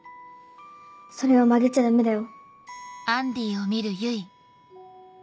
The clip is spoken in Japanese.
それを曲げちゃダメだよ。